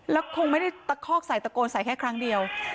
แล้วคงไม่ได้ตะคอกใส่ตะโกนใส่แค่ครั้งเดียว